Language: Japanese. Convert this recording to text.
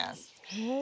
へえ。